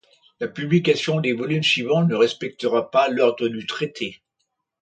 La publication des volumes suivants ne respecta pas l'ordre du traité.